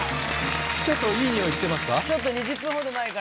ちょっといい匂いしてますか？